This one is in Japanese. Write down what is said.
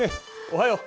おはよう。